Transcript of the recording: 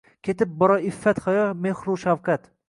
Ketib borar iffat-hayo, mehru shafqat